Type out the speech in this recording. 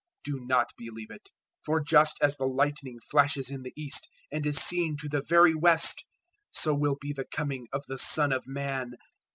do not believe it. 024:027 For just as the lightning flashes in the east and is seen to the very west, so will be the Coming of the Son of Man.